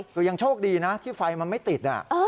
คือยังโชคดีนะที่ไฟมันไม่ติด